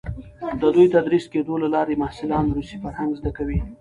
د دوی تدریس کېدو له لارې محصلان روسي فرهنګ زده کول.